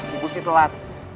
ibu sih telat